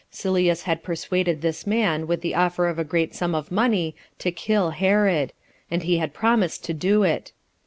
Sylleus had persuaded this man with the offer of a great sum of money to kill Herod; and he had promised to do it.